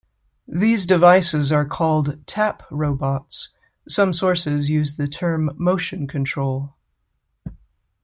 These devices are called tap-robots; some sources use the term motion control.